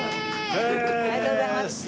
ありがとうございます。